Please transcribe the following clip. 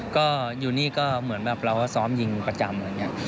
ก็อยู่นี่ก็เหมือนแบบเราซ้อมยิงประจำ